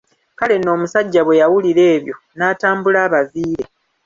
Kale nno omusajja bwe yawulira ebyo n'atambula abaviire.